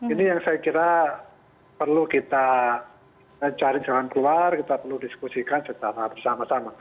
ini yang saya kira perlu kita cari jalan keluar kita perlu diskusikan secara bersama sama